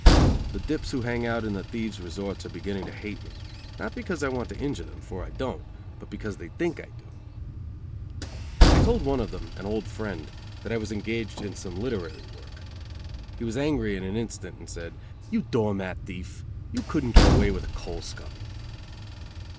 The dips who hang out in the thieves' resorts are beginning to hate me; not because I want to injure them, for I don't, but because they think I do. I told one of them, an old friend, that I was engaged in some literary work. He was angry in an instant and said: "You door mat thief. You couldn't get away with a coal scuttle."